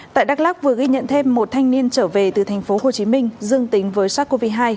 tại đắk lắk vừa ghi nhận thêm một thanh niên trở về từ thành phố hồ chí minh dương tính với sars cov hai